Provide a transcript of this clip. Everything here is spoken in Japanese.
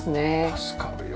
助かるよね。